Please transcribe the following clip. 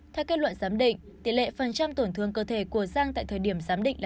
theo kết luận giám định tỷ lệ phần trăm tổn thương cơ thể của giang tại thời điểm giám định là chín mươi năm